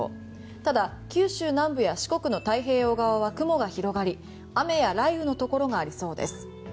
ただ、九州南部や四国の太平洋側は雲が広がり雨や雷雨のところがありそうです。